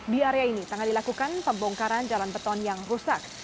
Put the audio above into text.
di area ini tengah dilakukan pembongkaran jalan beton yang rusak